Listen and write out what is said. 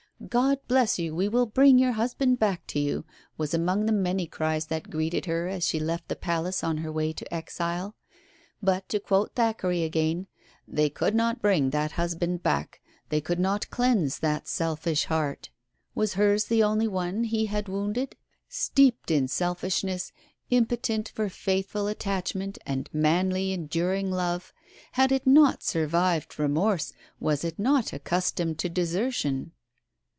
"God bless you! we will bring your husband back to you," was among the many cries that greeted her as she left the palace on her way to exile. But, to quote Thackeray again, "they could not bring that husband back; they could not cleanse that selfish heart. Was hers the only one he had wounded? Steeped in selfishness, impotent for faithful attachment and manly enduring love had it not survived remorse, was it not accustomed to desertion?"